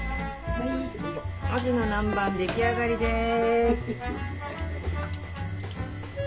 アジの南蛮出来上がりです！